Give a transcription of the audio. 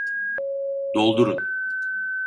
Doldurun!